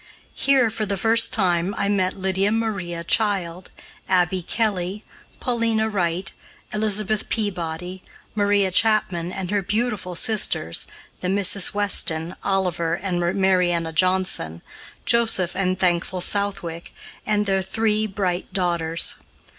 Here, for the first time, I met Lydia Maria Child, Abby Kelly, Paulina Wright, Elizabeth Peabody, Maria Chapman and her beautiful sisters, the Misses Weston, Oliver and Marianna Johnson, Joseph and Thankful Southwick and their three bright daughters.